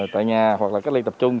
tại nhà hoặc là cách ly tập trung